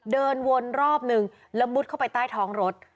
เดินวนรอบนึงแล้วมุดเข้าไปใต้ท้องรถ